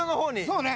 そうね。